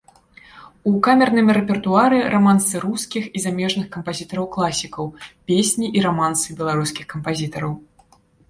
У камерным рэпертуары рамансы рускіх і замежных кампазітараў-класікаў, песні і рамансы беларускіх кампазітараў.